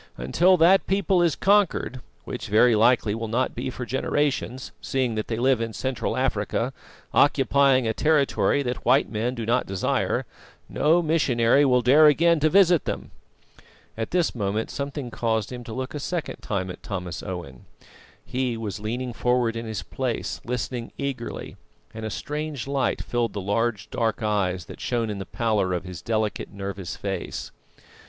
Until that people is conquered which very likely will not be for generations, seeing that they live in Central Africa, occupying a territory that white men do not desire no missionary will dare again to visit them." At this moment something caused him to look a second time at Thomas Owen. He was leaning forward in his place listening eagerly, and a strange light filled the large, dark eyes that shone in the pallor of his delicate, nervous face.